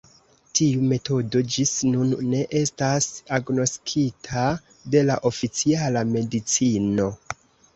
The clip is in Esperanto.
Tiu metodo ĝis nun ne estas agnoskita de la oficiala medicino!